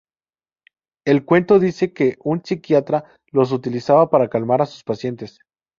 El cuento dice que un psiquiatra los utilizaba para calmar a sus pacientes.